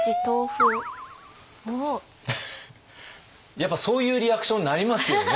やっぱそういうリアクションになりますよね。